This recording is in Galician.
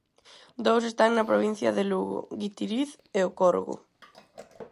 Dous están na provincia de Lugo: Guitiriz e O Corgo.